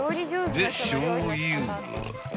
［でしょうゆ］